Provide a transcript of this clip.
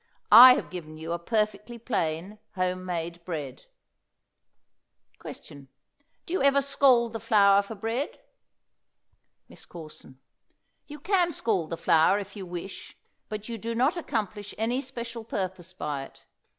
I have given you a perfectly plain home made bread. Question. Do you ever scald the flour for bread? MISS CORSON. You can scald the flour if you wish, but you do not accomplish any special purpose by it.